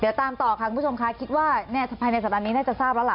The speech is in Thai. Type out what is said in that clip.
เดี๋ยวตามต่อค่ะคุณผู้ชมค่ะคิดว่าภายในสัปดาห์นี้น่าจะทราบแล้วล่ะ